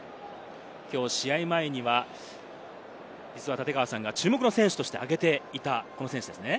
きょう試合前には、実は立川さんが注目の選手としてあげていたこの選手ですね。